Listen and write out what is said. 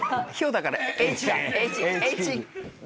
だから「Ｈ」か。